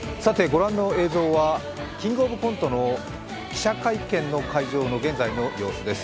ご覧の映像は「キングオブコント」の記者会見の会場の現在の様子です。